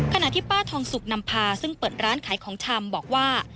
ขณะที่ป้าทองสุกนำพาซึ่งเปิดร้านขายของชำบอกว่า